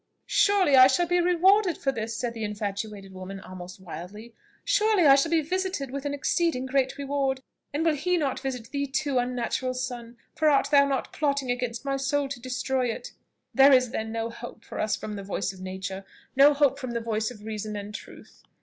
"Surely I shall be rewarded for this!" said the infatuated woman almost wildly. "Surely I shall be visited with an exceeding great reward! and will he not visit thee too, unnatural son, for art not thou plotting against my soul to destroy it?" "There is, then, no hope for us from the voice of nature, no hope from the voice of reason and of truth?